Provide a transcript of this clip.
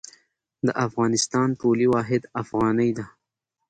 د افغانستان پولي واحد افغانۍ ده